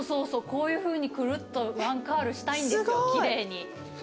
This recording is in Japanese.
こういうふうにくるっとワンカールしたいんですよ奇麗に。